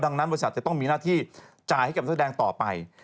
ดังนั้นบริษัทจะต้องมีหน้าที่จ่ายให้กับนักแสดงต่อไป